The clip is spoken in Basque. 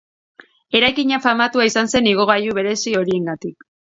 Eraikina famatua izan zen igogailu berezi horiengatik.